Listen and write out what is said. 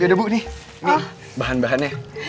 udah bu nih bahan bahannya